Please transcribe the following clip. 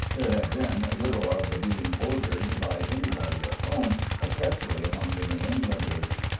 There had been little of the "being ordered" by anybody at home especially among the New Englanders.